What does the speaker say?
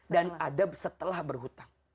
dan adab setelah berhutang